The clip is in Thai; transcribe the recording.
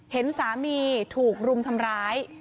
เห็นสามีถูกรุมทำร้าย